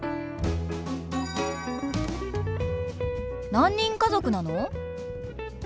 何人家族なの？